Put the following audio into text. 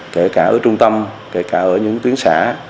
kể cả ở trung tâm kể cả ở những tuyến xã